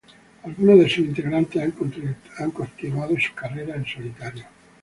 Algunos de sus integrantes han continuado sus carreras en solitario.